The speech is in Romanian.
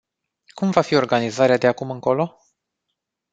Cum va fi organizarea de acum încolo?